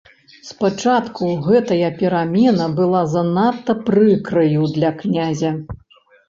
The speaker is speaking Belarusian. Спачатку гэтая перамена была занадта прыкраю для князя.